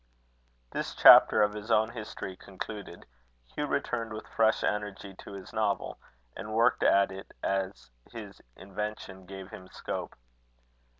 This chapter of his own history concluded, Hugh returned with fresh energy to his novel, and worked at it as his invention gave him scope.